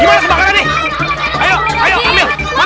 dimana sih kebakarannya